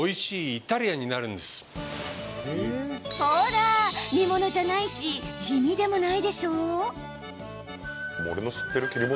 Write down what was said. ほら、煮物じゃないし地味でもないでしょう？